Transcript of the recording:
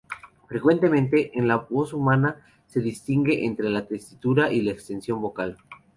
Frecuentemente, en la voz humana se distingue entre la tesitura y la extensión vocal.